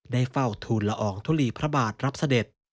ได้เฝ้าทูลละอองทุลีพระบาทรับเสด็จ